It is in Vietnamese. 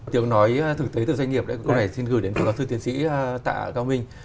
tiếng nói thực tế từ doanh nghiệp đấy câu này xin gửi đến phương án sư tiến sĩ tạ cao minh